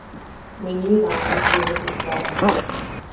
We knew that as soon as we saw her.